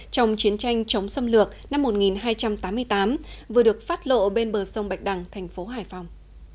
trong chiến tranh chống xâm lược năm một nghìn hai trăm tám mươi tám vừa được phát lộ bên bờ sông bạch đằng thành phố hải phòng